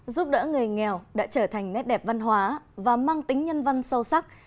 giúp đỡ người nghèo đã trở thành nét đẹp văn hóa và mang tính nhân văn sâu sắc